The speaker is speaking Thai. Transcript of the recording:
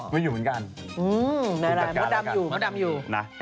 ไม่อยู่เหมือนกัน